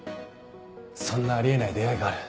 そんなあり得ない出合いがある。